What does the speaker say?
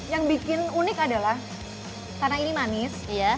yang bikin unik adalah karena ini manis